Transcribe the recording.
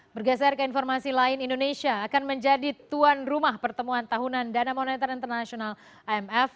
bergeser ke informasi lain indonesia akan menjadi tuan rumah pertemuan tahunan dana moneter internasional imf